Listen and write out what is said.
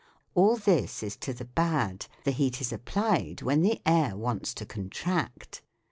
All this is to the bad ; the heat is applied when the air wants to contract.